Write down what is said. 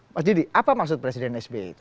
pak didi apa maksud presiden sby itu